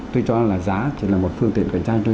tôi cho là giá chỉ là một phương tiện cạnh tranh thôi